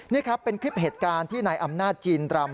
นี่ครับเป็นคลิปเหตุการณ์ที่นายอำนาจจีนรำ